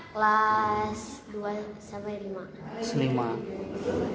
kelas dua sampai tiga